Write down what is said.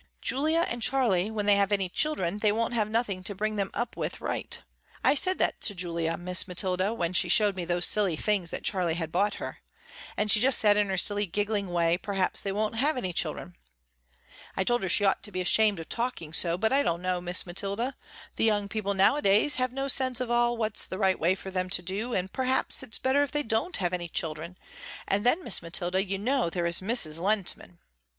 Julia and Charley when they have any children they won't have nothing to bring them up with right. I said that to Julia, Miss Mathilda, when she showed me those silly things that Charley bought her, and she just said in her silly, giggling way, perhaps they won't have any children. I told her she ought to be ashamed of talking so, but I don't know, Miss Mathilda, the young people nowadays have no sense at all of what's the right way for them to do, and perhaps its better if they don't have any children, and then Miss Mathilda you know there is Mrs. Lehntman.